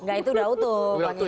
nggak itu udah utuh